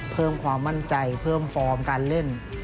เพิ่มความมั่นใจเพิ่มฟอร์มการเล่น